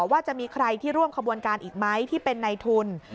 ว่าจะมีใครที่ร่วมขบวนการอีกไหมที่เป็นในทุน